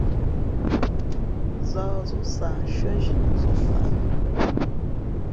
Zᾱh zǒ sah nshʉ́ά zhínu zǒ faʼá nǔkα ?